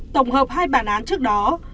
tổng hợp hai bản án trước đó